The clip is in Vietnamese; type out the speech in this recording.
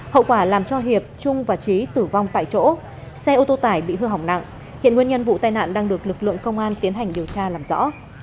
hậu quả làm cho hiệp trung và trí tử vong tại chỗ xe ô tô tải bị hư hỏng nặng hiện nguyên nhân vụ tai nạn đang được lực lượng công an tiến hành điều tra làm rõ